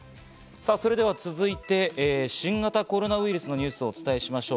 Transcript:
さぁそれでは続いて新型コロナウイルスのニュースをお伝えしましょう。